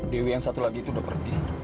dewi yang satu lagi itu udah pergi